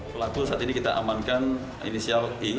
pelaku saat ini kita amankan inisial i